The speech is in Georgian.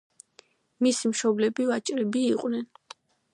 მისი მშობლები ვაჭრები იყვნენ.